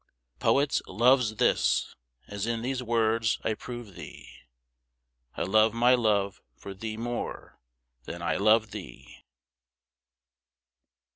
Poet's love's this (as in these words I prove thee): I love my love for thee more than I love thee.